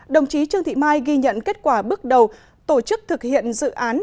đồng chí trương thị mai ghi nhận kết quả bước đầu tổ chức thực hiện dự án